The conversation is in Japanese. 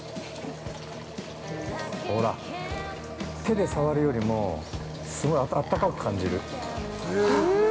◆ほら、手で触るよりもすごくあったかく感じる。